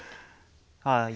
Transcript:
はい。